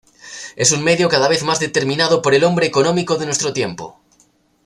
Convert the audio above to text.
Es un medio cada vez más determinado por el hombre económico de nuestro tiempo.